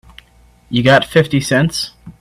You got fifty cents?